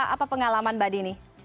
apa pengalaman mbak dini